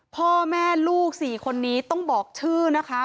พ่อแม่ลูก๔คนนี้ต้องบอกชื่อนะคะ